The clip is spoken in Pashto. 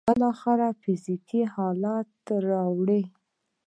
بالاخره فزيکي حالت ته اوړي.